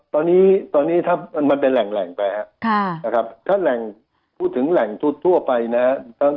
ตอนนี้มันเป็นแหล่งไปครับถ้าพูดถึงแหล่งทั่วไปนะครับ